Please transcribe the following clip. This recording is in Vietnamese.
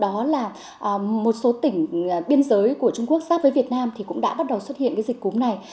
đó là một số tỉnh biên giới của trung quốc sát với việt nam thì cũng đã bắt đầu xuất hiện cái dịch cúm này